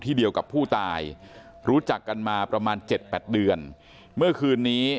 เดียวกับผู้ตายรู้จักกันมาประมาณเจ็ดแปดเดือนเมื่อคืนนี้